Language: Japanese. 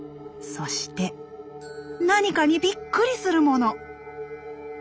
そして何かにびっくりする者。